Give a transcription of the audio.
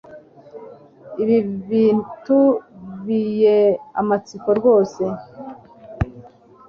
ibi bitu biye amatsiko rwose